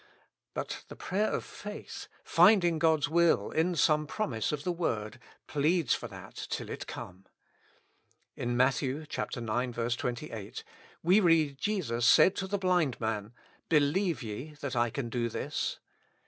But the prayer of faith, finding God's will in some promise of the Word, pleads for that till it come. In Matthew (ix. 28) we read Jesus said to the blind man : ''Believe ye that I can do this?"